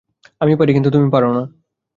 আমি পারি, কিন্তু তুমি পারবে না।